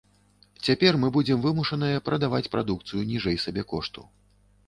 Цяпер мы будзем вымушаныя прадаваць прадукцыю ніжэй сабекошту.